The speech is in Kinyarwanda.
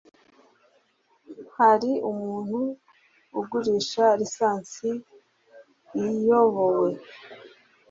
Hari umuntu ugurisha lisansi iyobowe?